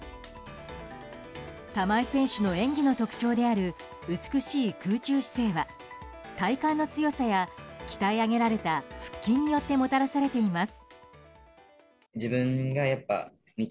玉井選手の演技の特徴である美しい空中姿勢は体幹の強さや鍛え上げられた腹筋によってもたらされています。